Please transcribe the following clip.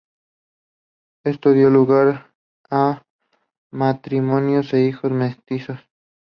Esto dio lugar a matrimonios e hijos mestizos.